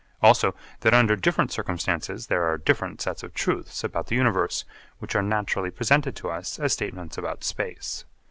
Also that under different circumstances there are different sets of truths about the universe which are naturally presented to us as statements about space.